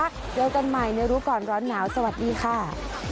เจอกันใหม่ในรู้ก่อนร้อนหนาวสวัสดีค่ะ